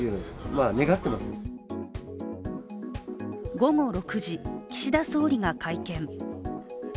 午後６時、岸田総理が会見。